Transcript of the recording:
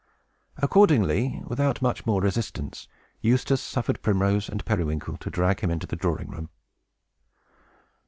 Accordingly, without much more resistance, Eustace suffered Primrose and Periwinkle to drag him into the drawing room.